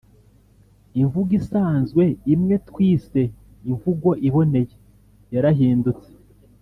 imvugo isanzwe, imwe twise imvugo iboneye, yarahindutse